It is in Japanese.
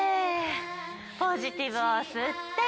ポジティブをすって。